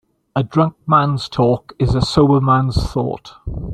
A drunk man's talk is a sober man's thought.